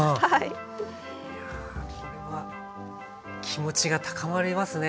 いやこれは気持ちが高まりますね。